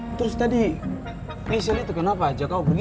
eh terus tadi hasil itu kenapa aja kamu pergi